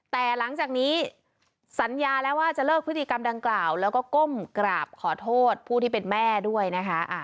แต่หลังจากนี้สัญญาแล้วว่าจะเลิกพฤติกรรมดังกล่าวแล้วก็ก้มกราบขอโทษผู้ที่เป็นแม่ด้วยนะคะ